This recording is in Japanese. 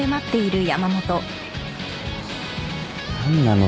何なの？